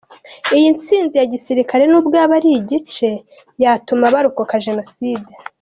Iyi ntsinzi ya gisirikare, n’ubwo yaba ari igice, yatuma barokoka jenoside”.